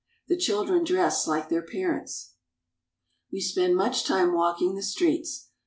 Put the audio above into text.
The children dress like their parents. We spend much time walking the streets.